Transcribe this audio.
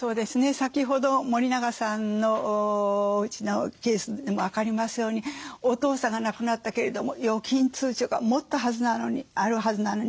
先ほど森永さんのおうちのケースでも分かりますようにお父さんが亡くなったけれども預金通帳がもっとあるはずなのに見つからないとね。